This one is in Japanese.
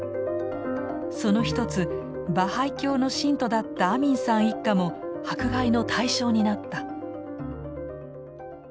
その一つバハイ教の信徒だったアミンさん一家も迫害の対象になった。